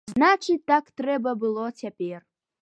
Значыць, так трэба было цяпер.